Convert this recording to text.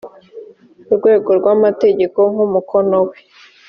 rwego rw amategeko nk umukono we